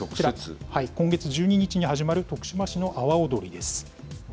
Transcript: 今月１２日に始まる徳島市の阿波おどりです。